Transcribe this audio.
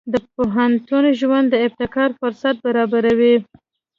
د پوهنتون ژوند د ابتکار فرصت برابروي.